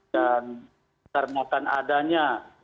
dan ternyata adanya